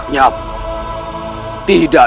karena aku ingin berubah